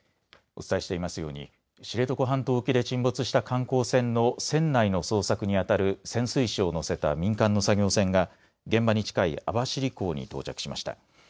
お伝えしていますように知床半島沖で沈没した観光船の船内の捜索にあたる潜水士を乗せた民間の作業船が現場に近い網走港に到着しました。